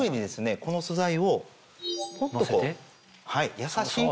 この素材をポンっとこう優しく。